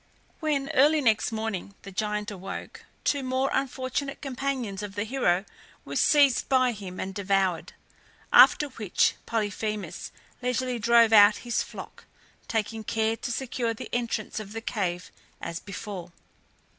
When, early next morning, the giant awoke, two more unfortunate companions of the hero were seized by him and devoured; after which Polyphemus leisurely drove out his flock, taking care to secure the entrance of the cave as before.